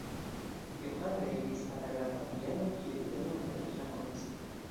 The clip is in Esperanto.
Johano reiris al la grafa bieno kie li denove eklaboris.